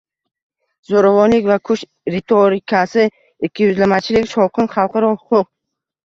Zo'ravonlik va kuch ritorikasi, ikkiyuzlamachilik, shovqin, xalqaro huquq